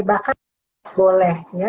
bahkan boleh ya